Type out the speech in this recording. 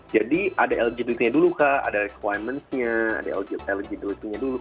jadi ada eligibility nya dulu ada requirements nya ada eligibility nya dulu